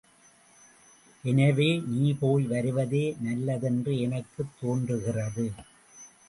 எனவே, நீ போய் வருவதே நல்லதென்று எனக்குத் தோன்றுகிறது.